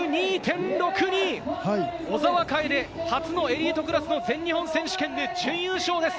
小澤楓、初のエリートクラスの全日本選手権で準優勝です。